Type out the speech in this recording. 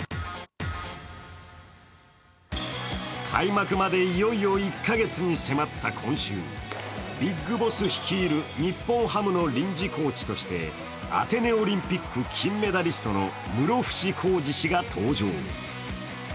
開幕までいよいよ１カ月に迫った今週、ビッグボス率いる日本ハムの臨時コーチとしてアテネオリンピック金メダリストの室伏広治氏が登場。